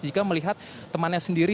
jika melihat temannya sendiri